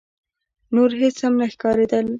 نور هيڅ هم نه ښکارېدل.